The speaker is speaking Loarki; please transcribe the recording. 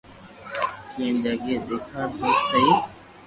ڪئي جگہ ھي ديکاڙ تو سھي